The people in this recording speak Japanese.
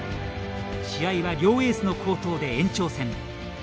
試合は両エースの好投で延長戦。